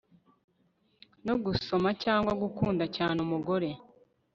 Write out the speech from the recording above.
no gusoma cyangwa gukunda cyane umugore